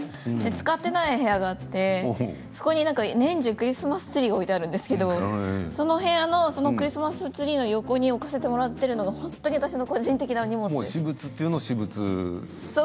使っていない部屋があってそこに年中クリスマスツリーが置いてあるんですけれどその部屋のクリスマスツリーの横に置かせてもらっているのが本当に私の個人的な荷物。